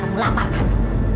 kamu lapar kan